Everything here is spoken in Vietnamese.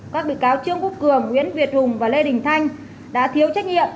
các bị cáo trương quốc cường nguyễn việt hùng và lê đình thanh đã thiếu trách nhiệm